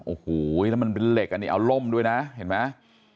โอ้โหแล้วมันเป็นเหล็กอันนี้เอาร่มด้วยนะเห็นไหม